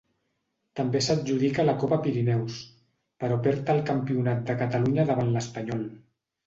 També s'adjudica la Copa Pirineus, però perd el Campionat de Catalunya davant l'Espanyol.